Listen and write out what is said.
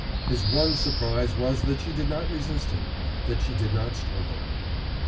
His one surprise was that she did not resist him, that she did not struggle.